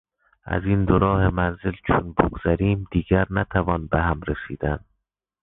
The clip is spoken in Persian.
از این دو راه منزل چون بگذریم دیگر نتوان به هم رسیدن